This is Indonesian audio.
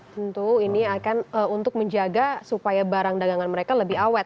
tentu ini akan untuk menjaga supaya barang dagangan mereka lebih awet